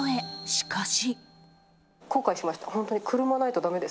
しかし。